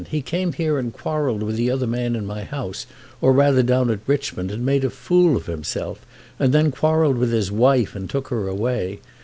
He came here and quarrelled with the other man in my house, or rather down at Richmond, and made a fool of himself, and then quarrelled with his wife and took her away.